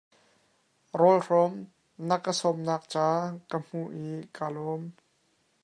Rawlhrawn na ka sawmnak ca ka hmuh i kaa lawm.